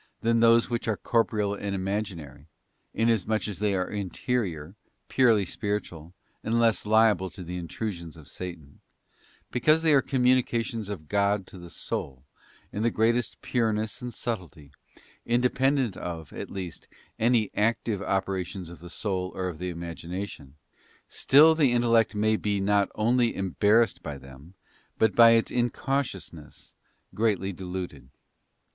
169 than those which are corporeal and imaginary — inasmuch as they are interior, purely spiritual, and less liable to the intrusions of Satan — because they are communications of God to the soul, in the greatest pureness and subtlety, independent of, at least, any active operations of the soul or of the imagination; still the intellect may be not only embarrassed by them, but, by its incautiousness, greatly deluded.